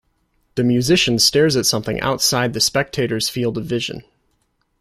The musician stares at something outside the spectator's field of vision.